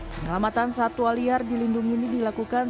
penyelamatan satwa liar dilindungi ini dilakukan